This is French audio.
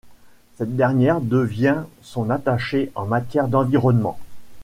Cette dernière devient son attachée en matière d’environnement.